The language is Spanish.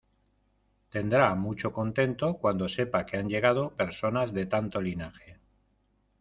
tendrá mucho contento cuando sepa que han llegado personas de tanto linaje: